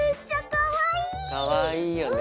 かわいいよね。